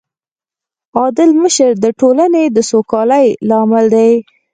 عادل مشر د ټولنې د سوکالۍ لامل دی.